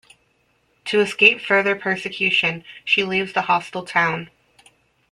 To escape further persecution, she leaves the hostile town.